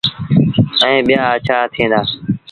ائيٚݩ ٻيٚآ اَڇآ ٿئيٚݩ دآ۔